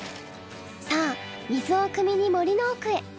さあ水をくみに森の奥へ。